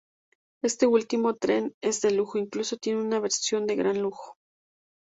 Este último tren es de lujo, incluso tiene una versión de gran lujo.